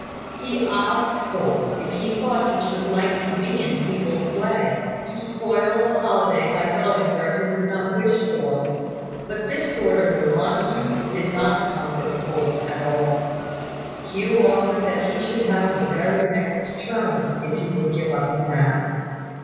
He asked Holt if he thought he should like to be in people's way, to spoil the holiday by going where he was not wished for; but this sort of remonstrance did not comfort Holt at all. Hugh offered that he should have the very next turn, if he would give up now.